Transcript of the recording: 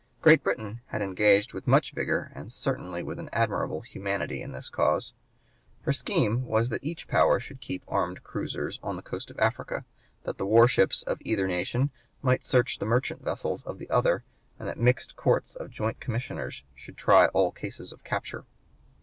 Great Britain had engaged with much vigor and certainly with an admirable humanity in this cause. Her scheme was that each power should keep armed cruisers on the coast of Africa, that the (p. 138) war ships of either nation might search the merchant vessels of the other, and that mixed courts of joint commissioners should try all cases of capture.